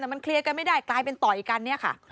แต่มันเคลียร์กันไม่ได้กลายเป็นต่อยกันเนี่ยค่ะ